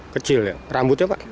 kecil ya rambutnya pak